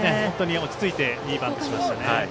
落ち着いていいバントしましたね。